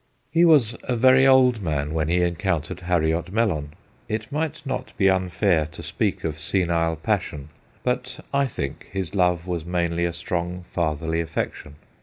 He was a very old man when he en countered Harriot Mellon. It might not be unfair to speak of senile passion, but I think his love was mainly a strong fatherly affection.